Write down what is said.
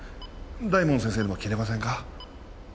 大門先生でも切れませんか？